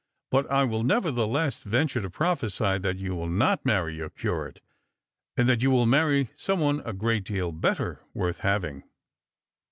But I will nevertheless venture to prophesy that you will not marry your curate, and that you will marry some one a great deal better worth having."